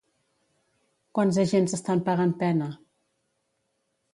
Quants agents estan pagant pena?